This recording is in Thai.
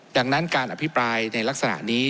ดังนั้นการอภิปรายในลักษณะนี้